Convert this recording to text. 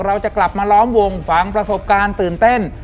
เราจะกลับมาล้อมวงฝังประสบการณ์ตื่นเต้น